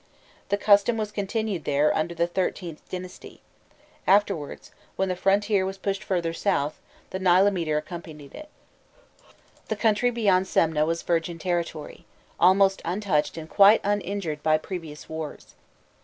The custom was continued there under the XIIIth dynasty; afterwards, when the frontier was pushed further south, the nilometer accompanied it. The country beyond Semneh was virgin territory, almost untouched and quite uninjured by previous wars.